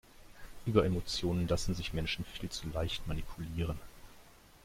Über Emotionen lassen sich Menschen viel zu leicht manipulieren.